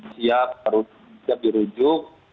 siap harus siap dirujuk